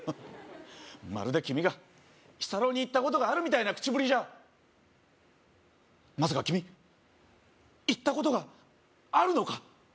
まるで君が日サロに行ったことがあるみたいな口ぶりじゃまさか君行ったことがあるのか？